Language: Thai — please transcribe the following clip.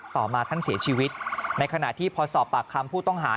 ต่อมาท่านเสียชีวิตในขณะที่พอสอบปากคำผู้ต้องหา